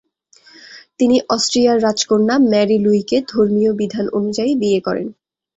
তিনি অস্ট্রিয়ার রাজকন্যা ম্যারি লুইকে ধর্মীয় বিধান অনুযায়ী বিয়ে করেন।